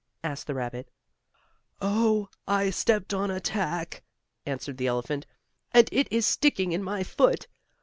asked the rabbit. "Oh, I stepped on a tack," answered the elephant, "and it is sticking in my foot.